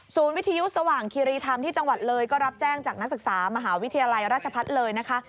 วิทยุสว่างคีรีธรรมที่จังหวัดเลยก็รับแจ้งจากนักศึกษามหาวิทยาลัยราชพัฒน์เลยนะคะ